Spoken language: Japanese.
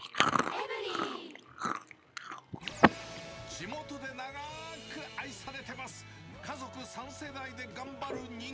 地元で長ーく愛されてます！